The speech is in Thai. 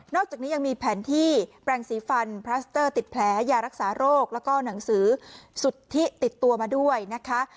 อกจากนี้ยังมีแผนที่แปลงสีฟันพลาสเตอร์ติดแผลยารักษาโรคแล้วก็หนังสือสุทธิติดตัวมาด้วยนะคะ